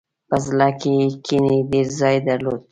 په زړه کې یې کینې ډېر ځای درلود.